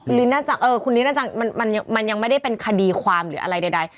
น่าจะคุณนิดน่าจะมันยังไม่ได้เป็นคดีความหรืออะไรใด